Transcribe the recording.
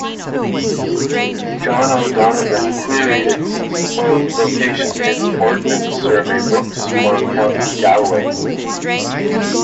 John O'Donovan queried its supposed location in the Ordnance Survey Books for County Galway.